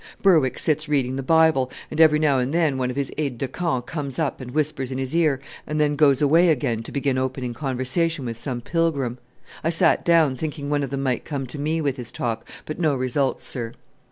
Berwick sits reading the Bible, and every now and then one of his aides de camp comes up and whispers in his ear, and then goes away to begin opening conversation with some pilgrim. I sat down, thinking one of them might come to me with his talk, but no results, sir."